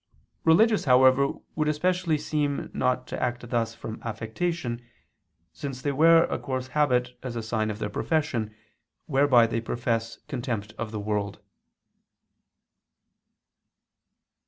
Religious, however, would especially seem not to act thus from affectation, since they wear a coarse habit as a sign of their profession whereby they profess contempt of the world.